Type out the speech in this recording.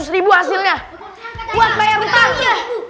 tiga ratus ribu hasilnya buat layanan